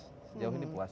sejauh ini puas